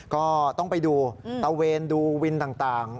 ก็ต้องไปดูตะเวนดูวินต่าง